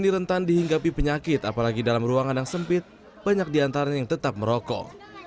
rentan dihinggapi penyakit apalagi dalam ruangan yang sempit banyak diantaranya yang tetap merokok